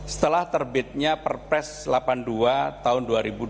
setelah terbitnya perpres delapan puluh dua tahun dua ribu dua puluh